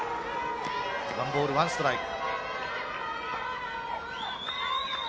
１ボール１ストライク。